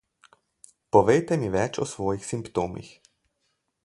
Povejte mi več o svojih simptomih.